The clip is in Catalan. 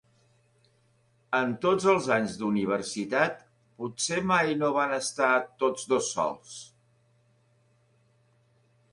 En tots els anys d'universitat potser mai no van estar tots dos sols.